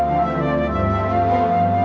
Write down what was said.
pada suatu hari lagi